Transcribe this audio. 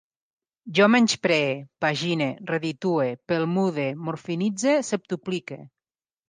Jo menyspree, pagine, reditue, pelmude, morfinitze, septuplique